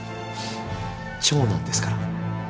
長男ですから。